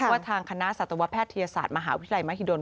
ว่าทางคณะสัตวแพทยศาสตร์มหาวิทยาลัยมหิดล